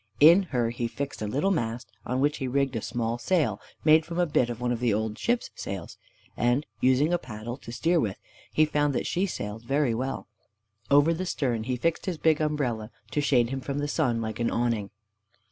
In her he fixed a little mast, on which he rigged a small sail, made from a bit of one of the old ship's sails, and, using a paddle to steer with, he found that she sailed very well. Over the stern he fixed his big umbrella, to shade him from the sun, like an awning.